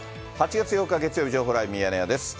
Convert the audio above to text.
８月８日月曜日、情報ライブミヤネ屋です。